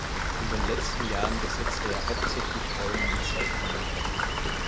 In den letzten Jahren besetzte er hauptsächlich Rollen in Seifenopern.